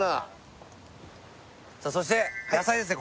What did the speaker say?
さあそして野菜ですね